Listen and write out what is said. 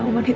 ya ini dia